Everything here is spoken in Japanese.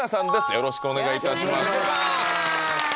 よろしくお願いします